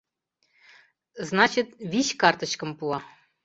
Значыт, вич картычкым пуа.